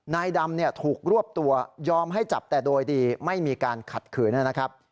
นายดำถูกรวบตัวยอมให้จับแต่โดยดีไม่มีการขัดขืนนะครับ